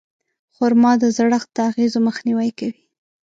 خرما د زړښت د اغېزو مخنیوی کوي.